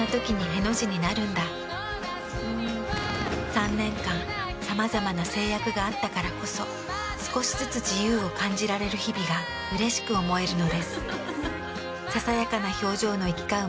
３年間さまざまな制約があったからこそ少しずつ自由を感じられる日々がうれしく思えるのです。